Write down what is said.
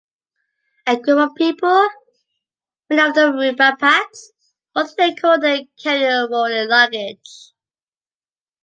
A group of people? Many of them with backpacks? Walk through a corridor carrying rolling luggage.